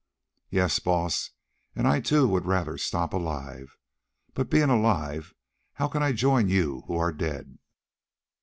"Yes, Baas, and I too would rather stop alive, but being alive how can I join you who are dead?"